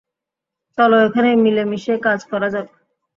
চলো এখানে মিলেমিশেই কাজ করা যাক।